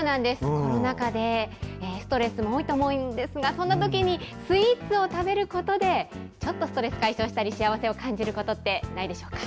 コロナ禍で、ストレスも多いと思うんですが、そんなときに、スイーツを食べることで、ちょっとストレス解消したり、幸せを感じることってないでしょうか。